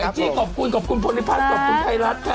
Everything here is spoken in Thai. โอ้โฮแอจี้ขอบคุณขอบคุณพลิพัฒน์ขอบคุณไทยรัฐค่ะ